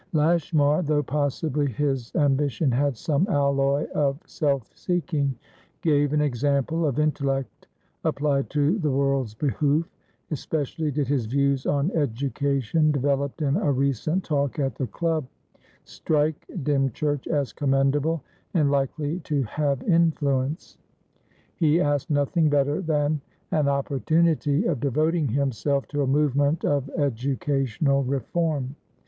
Lashmar, though possibly his ambition had some alloy of self seeking, gave an example of intellect applied to the world's behoof; especially did his views on education, developed in a recent talk at the club, strike Dymchurch as commendable and likely to have influence. He asked nothing better than an opportunity of devoting himself to a movement for educational reform.